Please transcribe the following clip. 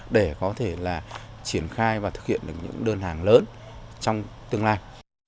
để có thể là triển khai và thực hiện được những đơn hàng lớn trong tương lai